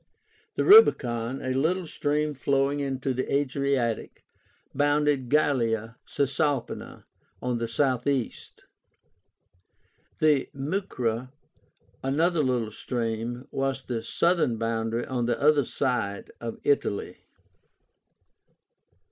The Rubicon, a little stream flowing into the Adriatic, bounded Gallia Cisalpína on the southeast. The Mucra, another little stream, was the southern boundary on the other side of Italy.